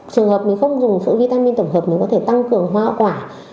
trường hợp mình không dùng phụ vitamin tổng hợp mình có thể tăng cường hoa quả